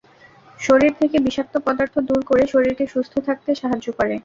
শরীর থেকে বিষাক্ত পদার্থ দূর করে শরীরকে সুস্থ থাকতে সাহায্য করে।